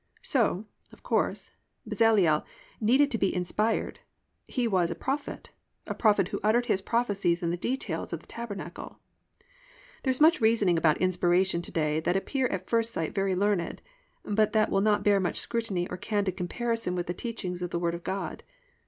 So, of course, Bezaleel needed to be inspired, he was a prophet, a prophet who uttered his prophecies in the details of the tabernacle. There is much reasoning about inspiration to day that appear at first sight very learned, but that will not bear much scrutiny or candid comparison with the teachings of the Word of God.